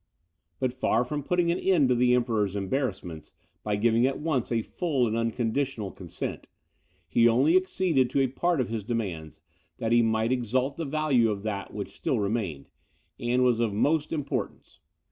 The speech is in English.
But far from putting an end to the Emperor's embarrassments, by giving at once a full and unconditional consent, he only acceded to a part of his demands, that he might exalt the value of that which still remained, and was of most importance.